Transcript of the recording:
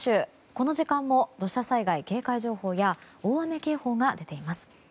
この時間も土砂災害警戒情報や大雨警報が出ています。